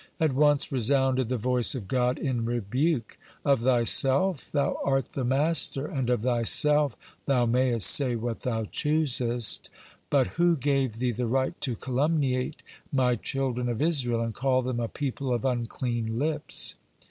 At once resounded the voice of God in rebuke: "Of thyself thou art the master, and of thyself thou mayest say what thou choosest, but who gave thee the right to calumniate My children of Israel and call them 'a people of unclean lips'?"